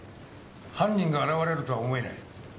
犯人が現れるとは思えない。